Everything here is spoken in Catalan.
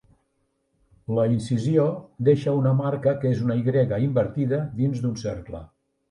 La incisió deixa una marca que és una Y invertida dins d'un cercle.